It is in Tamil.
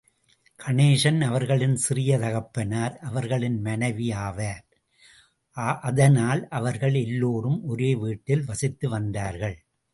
கணேசன் அவர்களின் சிறிய தகப்பனார் அவர்களின் மனைவி ஆவார். அதனால் அவர்கள் எல்லோரும் ஒரே வீட்டில் வசித்து வந்தார்கள்.